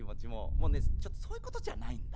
もうねちょっとそういうことじゃないんだ。